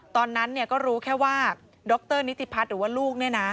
ตอนนั้นก็รู้แค่ว่าดรนิติพัฒน์หรือว่าลูก